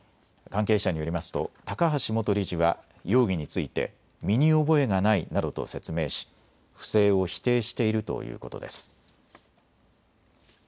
関係者によりますと高橋元理事は容疑について身に覚えがないなどと説明し不正を否定しているということです。